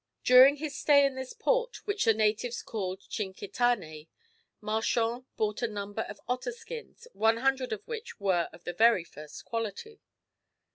During his stay in this port, which the natives called Tchinkitané, Marchand bought a number of otter skins, one hundred of which were of the very first quality.